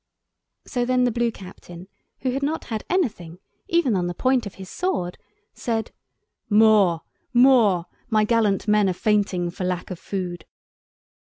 So then the Blue Captain, who had not had anything, even on the point of his sword, said— "More—more, my gallant men are fainting for lack of food."